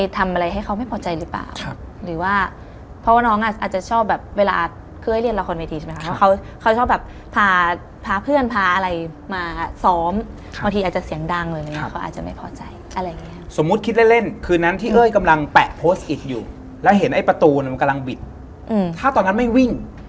อ๋อสมัยนี้ยังดีเริ่มมีไฟนะเริ่มมีอะไรอย่างนี้